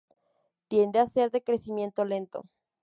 Tiende a ser de crecimiento lento.